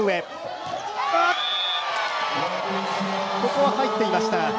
ここは入っていました。